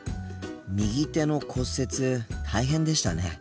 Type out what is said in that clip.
右手の骨折大変でしたね。